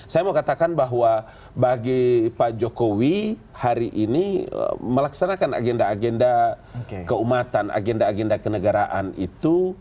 saya mau katakan bahwa bagi pak jokowi hari ini melaksanakan agenda agenda keumatan agenda agenda kenegaraan itu